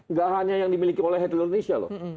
nggak hanya yang dimiliki oleh hatle indonesia loh